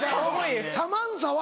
サマンサは？